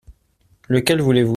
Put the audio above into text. Lequel voulez-vous ?